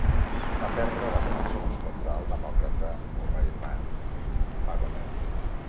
Va perdre les eleccions contra el demòcrata Murray Van Wagoner.